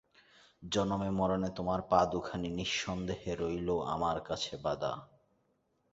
জনমে মরণে তোমার পা দুখানি নিঃসন্দেহে রইল আমার কাছে বাঁধা।